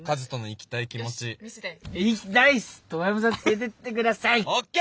遠山さん連れてって下さい！ＯＫ！